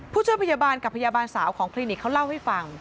ผู้ช่วยพยาบาลกับพยาบาลสาวของคลินิกเขาเล่าให้ฟัง